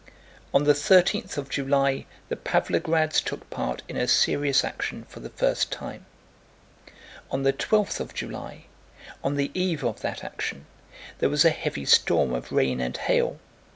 On the thirteenth of July the Pávlograds took part in a serious action for the first time. On the twelfth of July, on the eve of that action, there was a heavy storm of rain and hail.